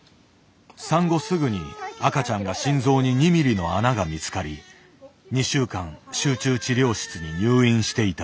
産後すぐに赤ちゃんが心臓に２ミリの穴が見つかり２週間集中治療室に入院していた。